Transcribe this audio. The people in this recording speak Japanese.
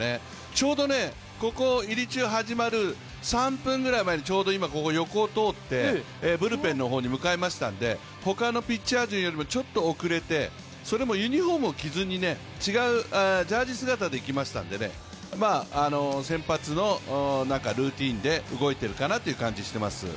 ちょうどここ、入り中始まる３分ぐらい前にちょうど今、横を通ってブルペンの方に向かいましたのでほかのピッチャー陣よりもちょっと遅れて、それもユニフォームではなく違うジャージ姿で行きましたので先発のルーチンで動いてるかなという気がしています。